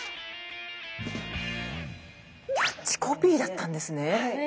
キャッチコピーだったんですね。